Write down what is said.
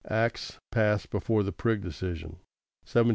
Acts passed before the Prigg decision (1793 1842).